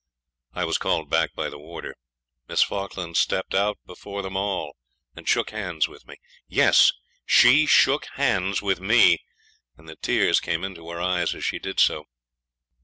I was called back by the warder. Miss Falkland stepped out before them all, and shook hands with me. Yes, SHE SHOOK HANDS WITH ME, and the tears came into her eyes as she did so.